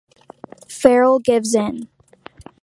Farrell gives in.